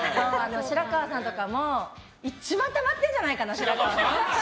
白河さんとか一番たまってんじゃないかな？